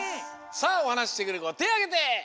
さあおはなししてくれるこてあげて！